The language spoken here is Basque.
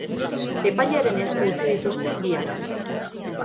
Epailearen esku utzi dituzte biak.